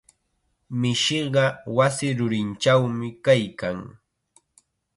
Mishiqa wasi rurinchawmi kaykan.